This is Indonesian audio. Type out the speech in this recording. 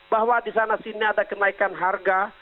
bahwa disana sini ada kenaikan harga